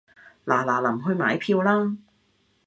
嗱嗱臨去買票啦